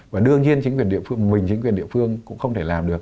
và đương nhiên mình chính quyền địa phương cũng không thể làm được